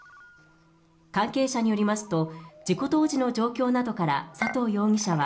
関係者によりますと、事故当時の状況などから佐藤容疑者は、